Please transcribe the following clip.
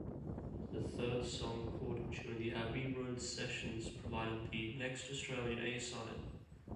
The third song recorded during the Abbey Road sessions provided the next Australian A-side.